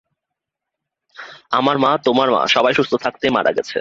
আমার মা, তোমার মা, সবাই সুস্থ থাকতেই মারা গেছে।